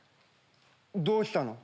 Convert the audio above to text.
どうしたの？